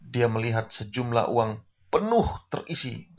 dia melihat sejumlah uang penuh terisi